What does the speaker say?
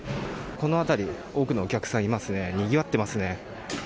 この辺り、多くのお客さんでにぎわっていますね。